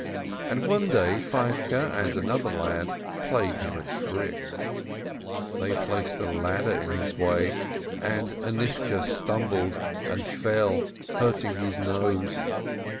And one day Feivke and another boy played him a trick: they placed a ladder in his way, and Anishka stumbled and fell, hurting his nose.